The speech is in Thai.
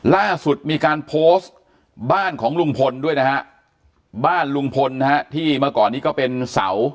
ล่าสุดมีการโพสต์บ้านของลุงพลด้วยนะฮะบ้านลุงพลนะฮะที่เมื่อก่อนนี้ก็เป็นเสา